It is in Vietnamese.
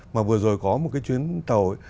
mà vừa rồi có một cái chuyến tàu